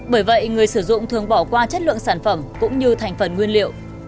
bởi vậy người sử dụng thường bỏ qua chất lượng sản phẩm cũng như thành phần nguyên liệu